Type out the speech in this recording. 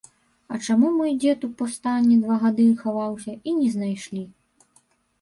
А чаму мой дзед у паўстанне два гады хаваўся, і не знайшлі.